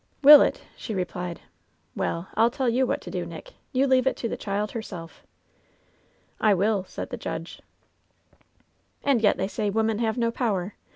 " 'Will it V she replied. 'Well, I'll tell you what to do, Nick ! You leave it to the child herself.' " 'I wiU,' said the judge." "And yet they say women have no power!